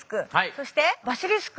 そしてバシリスク